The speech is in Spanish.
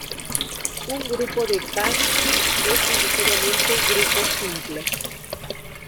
Un grupo de Tarski es necesariamente grupo simple.